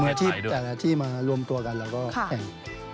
ที่แต่ละที่มารวมตัวกันเราก็แข่ง